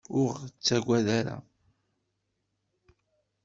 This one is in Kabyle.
Ur ɣ-tettagad ara.